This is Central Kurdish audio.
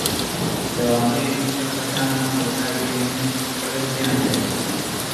لەوانەیە دووچەرخەکانمان بەکاربهێنن ئەگەر بیانەوێت.